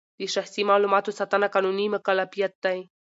د شخصي معلوماتو ساتنه قانوني مکلفیت دی.